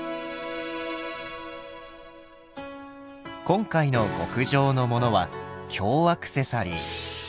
今回の極上のモノは「京アクセサリー」。